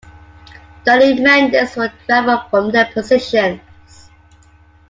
The defenders were driven from their positions.